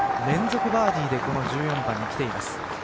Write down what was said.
連続バーディーでこの１４番にきています。